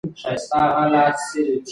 لښتې په خپل ذهن کې تېر یادونه لرل.